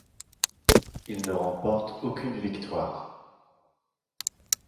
Il ne remporte aucune victoire.